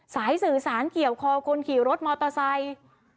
สายสื่อสารเกี่ยวคอคนขี่รถมอเตอร์ไซค์